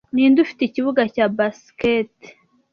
Ninde ufite ikibuga cya basket